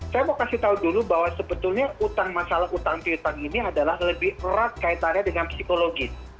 saya mau kasih tahu dulu bahwa sebetulnya masalah utang piutang ini adalah lebih erat kaitannya dengan psikologis